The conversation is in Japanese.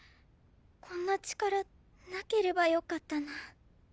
こんな力無ければよかったなぁ。